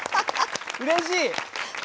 うれしい！